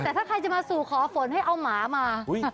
แต่ถ้าใครจะมาสู่ขอฝนให้เอาหมามา